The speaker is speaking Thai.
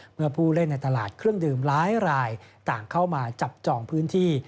เมื่อผู้เล่นในตลาดเครื่องดื่มหลายรายต่างเข้ามาจับจองพื้นที่